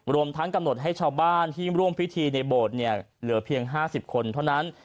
รวมทั้งกำหนดให้ชาวบ้านที่ร่วมพิธีในโบสถ์เนี่ยเหลือเพียง๕๐คนเท่านั้น